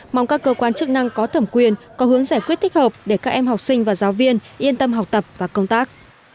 mong các cơ quan chức năng có thẩm quyền có hướng giải quyết thích hợp để các em học sinh và giáo viên yên tâm học tập và công tác